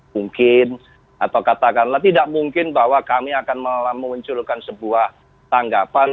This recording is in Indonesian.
mungkin atau katakanlah tidak mungkin bahwa kami akan memunculkan sebuah tanggapan